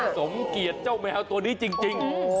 สมเกียจเจ้าแมวตัวนี้จริง